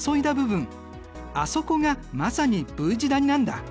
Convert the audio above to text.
あそこがまさにＶ字谷なんだ。